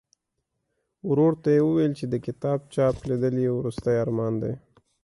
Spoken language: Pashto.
ورور ته یې ویل چې د کتاب چاپ لیدل یې وروستنی ارمان دی.